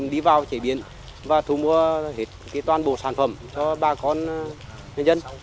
đi vào chế biến và thu mua hết toàn bộ sản phẩm cho bà con người dân